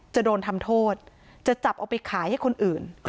จะโดนทำโทษจะจับเอาไปขายให้คนอื่น